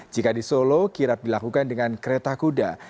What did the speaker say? jika di solo kirap dilakukan dengan kereta kuda